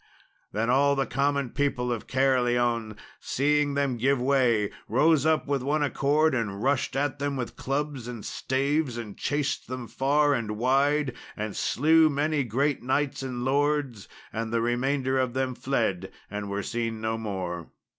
Then all the common people of Caerleon, seeing them give way, rose up with one accord, and rushed at them with clubs and staves, and chased them far and wide, and slew many great knights and lords, and the remainder of them fled and were seen no more.